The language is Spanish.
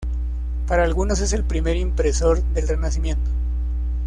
Para algunos, es el primer impresor del Renacimiento.